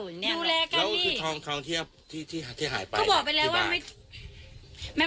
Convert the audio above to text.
ดูแลกันพี่แล้วคือทองทองเทียบที่ที่ที่หายไปก็บอกไปแล้วว่าไม่